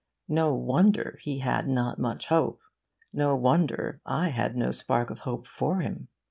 No wonder he had 'not much hope.' No wonder I had no spark of hope for him.